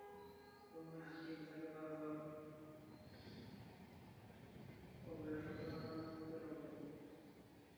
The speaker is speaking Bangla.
উম্মে হাকীম তাকে বারবার অভয় ও সান্তনার বাণী শুনাতে লাগলেন।